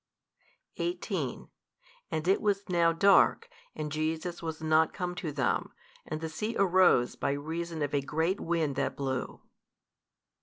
18 And it was now dark, and Jesus was not come to them, and the sea arose by reason of a great wind that blew.